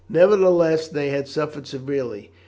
Nevertheless they had suffered severely.